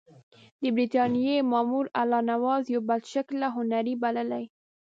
د برټانیې مامور الله نواز یو بدشکله هندی بللی.